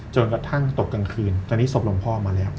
จนกระทั่งตกกลางคืนตอนนี้ศพหลวงพ่อมาแล้ว